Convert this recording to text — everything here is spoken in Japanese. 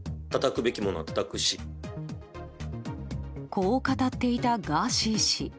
こう語っていたガーシー氏。